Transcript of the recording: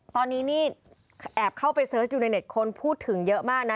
ตอนนี้นี่แอบเข้าไปเสิร์ชยูเนเต็ตคนพูดถึงเยอะมากนะ